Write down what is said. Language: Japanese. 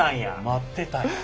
待ってたんやね。